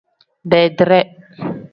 Beedire.